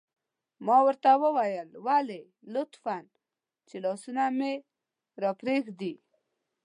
ما ورته وویل: ولې؟ لطفاً، چې لاسونه مې را پرېږدي.